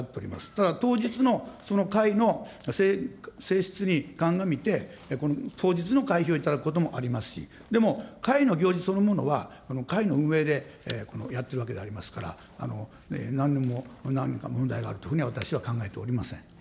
ただ、当日のその会の性質に鑑みて、当日の会費を頂くこともありますし、でも、会の行事そのものは、会の運営でやってるわけでありますから、何か問題があるというふうに私は考えておりません。